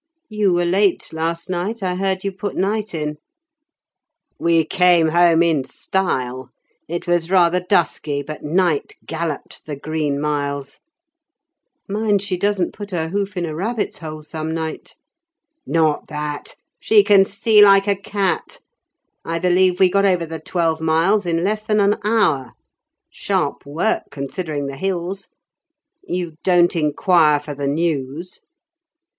"You were late last night. I heard you put Night in." "We came home in style; it was rather dusky, but Night galloped the Green Miles." "Mind she doesn't put her hoof in a rabbit's hole, some night." "Not that. She can see like a cat. I believe we got over the twelve miles in less than an hour. Sharp work, considering the hills. You don't inquire for the news."